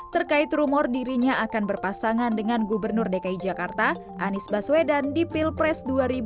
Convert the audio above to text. terkait rumor dirinya akan berpasangan dengan gubernur dki jakarta anies baswedan di pilpres dua ribu dua puluh